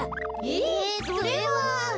えそれは。